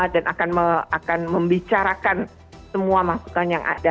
dan akan membicarakan semua masukan yang ada